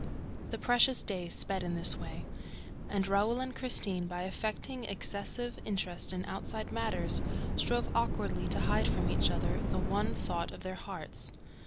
The precious days sped in this way; and Raoul and Christine, by affecting excessive interest in outside matters, strove awkwardly to hide from each other the one thought of their hearts.